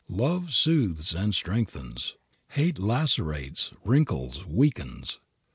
Love soothes and strengthens. Hate lacerates, wrinkles, weakens.